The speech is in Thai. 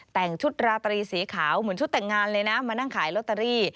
แต่งชุดราตรีสีขาวเหมือนชุดแต่งงานเลยนะมานั่งขายลอตเตอรี่